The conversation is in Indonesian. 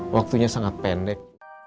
waktunya sangat pendek